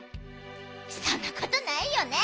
そんなことないよね。